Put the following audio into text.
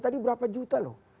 tadi berapa juta loh